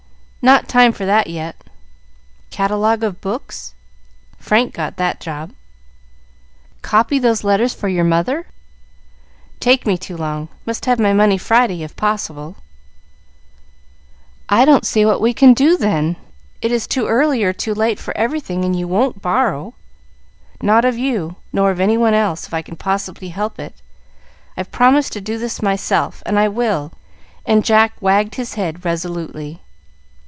"Not time for that yet." "Catalogue of books?" "Frank got that job." "Copy those letters for your mother?" "Take me too long. Must have my money Friday, if possible." "I don't see what we can do, then. It is too early or too late for everything, and you won't borrow." "Not of you. No, nor of any one else, if I can possibly help it. I've promised to do this myself, and I will;" and Jack wagged his head resolutely.